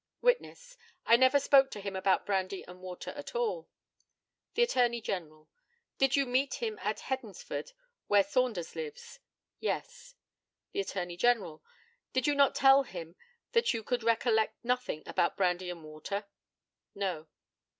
WITNESS: I never spoke to him about brandy and water at all. The ATTORNEY GENERAL: Did you meet him at Hednesford, where Saunders lives? Yes. The ATTORNEY GENERAL: Did you not tell him there that you could recollect nothing about brandy and water? No.